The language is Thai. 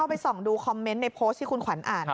ไปส่องดูคอมเมนต์ในโพสต์ที่คุณขวัญอ่าน